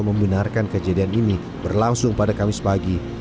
membenarkan kejadian ini berlangsung pada kamis pagi